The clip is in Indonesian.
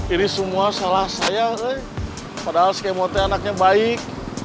ini semua salah saya padahal si kemotnya anaknya baik